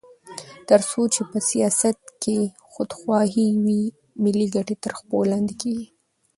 تر څو چې په سیاست کې خودخواهي وي، ملي ګټې تر پښو لاندې کېږي.